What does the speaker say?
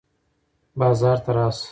بازار ته راشه.